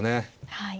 はい。